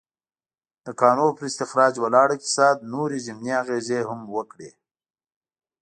د کانونو پر استخراج ولاړ اقتصاد نورې ضمني اغېزې هم وکړې.